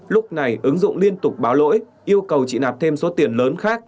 lúc này ứng dụng liên tục báo lỗi yêu cầu chị nạp thêm số tiền lớn khác